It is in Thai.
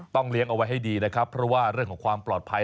เลี้ยงเอาไว้ให้ดีนะครับเพราะว่าเรื่องของความปลอดภัย